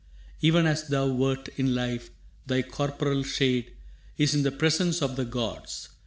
Even as thou wert in life, thy corporal shade Is in the presence of the gods.